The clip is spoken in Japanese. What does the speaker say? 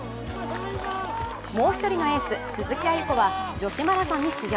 もう一人のエース、鈴木亜由子は女子マラソンに出場。